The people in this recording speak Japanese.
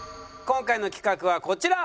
今回の企画はこちら！